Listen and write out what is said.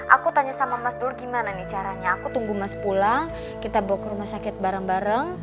aku tanya sama mas dur gimana nih caranya aku tunggu mas pulang kita bawa ke rumah sakit bareng bareng